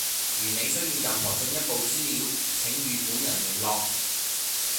如你需要任何進一步資料，請與本人聯絡。